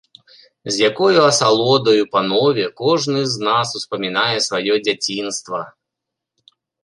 З якою асалодаю, панове, кожны з нас успамінае сваё дзяцінства!